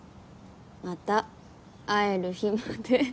「また会える日まで」